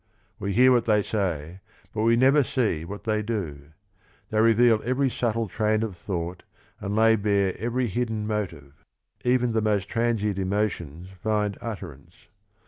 We hear what they say, but we never see what they do. They reveal every subtle train of thought and lay bare every hidden motive; even the most transient emotions find utterance.